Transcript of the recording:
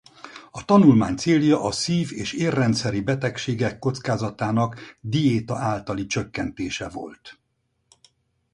A tanulmány célja a szív- és érrendszeri betegségek kockázatának diéta általi csökkentése volt.